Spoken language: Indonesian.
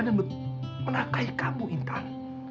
dan menakai kamu intan